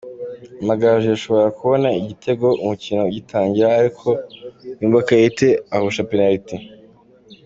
Amagaju yashoboraga kubona igitego umukino ugitangira ariko Yumba Kaite ahusha penaliti.